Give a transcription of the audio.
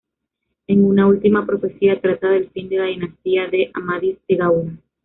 En una última profecía trata del fin de la dinastía de Amadís de Gaula.